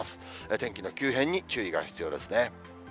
天気の急変に注意が必要ですね。